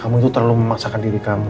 kamu itu terlalu memaksakan diri kamu